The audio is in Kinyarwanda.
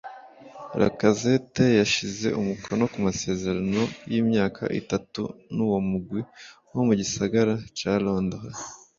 Lacazette yashize umukono ku masezerano y'imyaka itanu n'uwo mugwi wo mu gisagara ca Londres